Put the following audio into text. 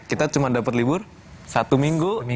kita cuma dapat libur satu minggu nih